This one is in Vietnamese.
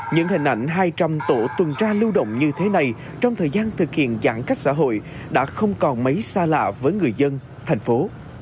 những hình ảnh hai trăm linh tổ tuần tra lưu động như thế này trong thời gian thực hiện giãn cách xã hội đã không còn mấy xa lạ với người dân thành phố